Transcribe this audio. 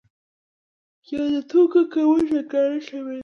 یا د توکو کمښت د ګرانښت لامل دی؟